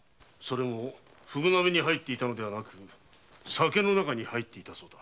フグ鍋に入っていたのではなく酒の中に入っていたそうだ。